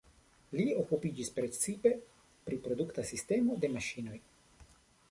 Li okupiĝis precipe pri produkta sistemo de maŝinoj.